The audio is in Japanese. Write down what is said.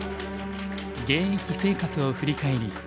現役生活を振り返り